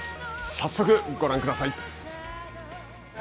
早速ご覧ください。